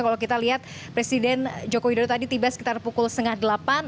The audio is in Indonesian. kalau kita lihat presiden joko widodo tadi tiba sekitar pukul setengah delapan